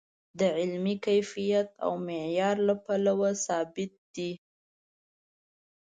د علمي کیفیت او معیار له پلوه ثابت دی.